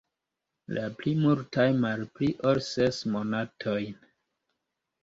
La pli multaj malpli ol ses monatojn.